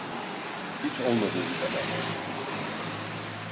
Hiç olmadığım kadar.